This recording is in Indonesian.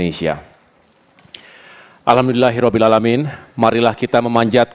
assalamu alaikum warahmatullahi wabarakatuh